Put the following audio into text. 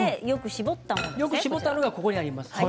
よく絞ったものがここにあります。